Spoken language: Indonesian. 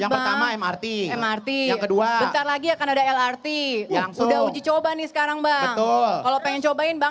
yang pertama mrt yang kedua lagi akan ada lrt yang sudah uji coba nih sekarang bang betul kalau pengen coba ini bang